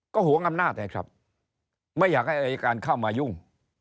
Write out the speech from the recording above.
ก็หวงอำนาจนะครับไม่อยากให้อายการเข้ามายุ่ง